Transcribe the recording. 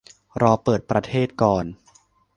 รอเปิดประเทศก่อน